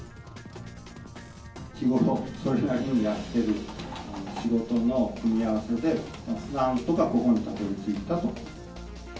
日頃、それなりにやってる仕事の組み合わせで、なんとかここにたどりついたと。